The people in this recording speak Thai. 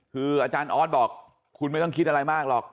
คืออาจารย์ออสบอกคุณไม่ต้องคิดอะไรมากหรอก